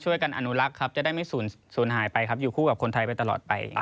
อนุรักษ์ครับจะได้ไม่สูญหายไปครับอยู่คู่กับคนไทยไปตลอดไป